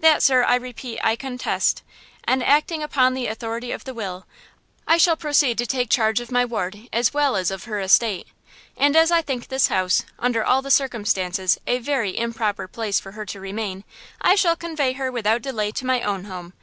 "That, sir, I repeat, I contest. And, acting upon the authority of the will, I shall proceed to take charge of my ward as well as of her estate. And as I think this house, under all the circumstances, a very improper place for her to remain, I shall convey her without delay to my own home.